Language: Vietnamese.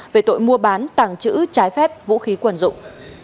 về tội mua bán tàng chữ trái phép vũ khí quân dụng